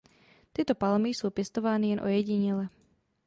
Tyto palmy jsou pěstovány jen ojediněle.